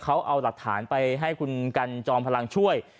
เขาเอาหลักฐานไปให้คุณกันจอมพลังช่วย